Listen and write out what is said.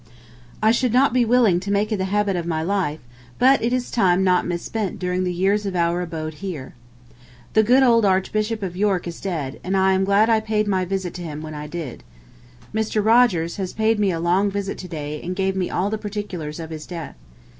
I should not be willing to make it the habit of my life, but it is time not misspent during the years of our abode here. ... The good old Archbishop of York is dead, and I am glad I paid my visit to him when I did. Mr. Rogers has paid me a long visit to day and gave me all the particulars of his death.